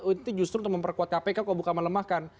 itu justru untuk memperkuat kpk kok bukan melemahkan